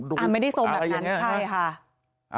ไม่ได้ทรงแบบนั้นใช่ค่ะ